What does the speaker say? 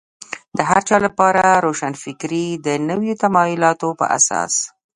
د هر چا لپاره روښانفکري د نویو تمایلاتو په اساس.